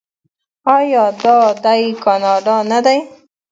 آیا دا دی کاناډا نه دی؟